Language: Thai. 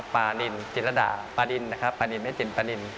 ปลานินจิตรดาปลานินแม่จินปลานิน